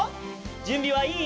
じゅんびはいい？